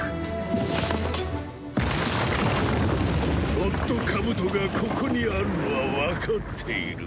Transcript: ゴッドカブトがここにあるのはわかっている。